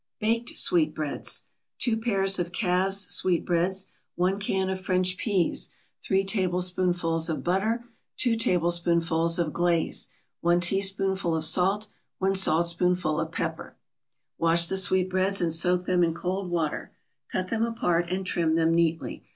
BAKED SWEETBREADS 2 pairs of calves' sweetbreads 1 can of French peas 3 tablespoonfuls of butter 2 tablespoonfuls of glaze 1 teaspoonful of salt 1 saltspoonful of pepper Wash the sweetbreads and soak them in cold water; cut them apart and trim them neatly.